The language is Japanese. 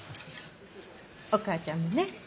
お母ちゃんもね